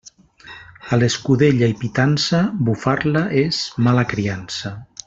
A l'escudella i pitança, bufar-la és mala criança.